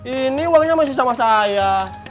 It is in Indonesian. ini uangnya masih sama saya